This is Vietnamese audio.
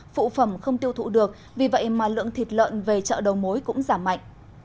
phụ phẩm không tiêu thụ được vì vậy mà lượng thịt lợn về chợ đầu mối cũng giảm mạnh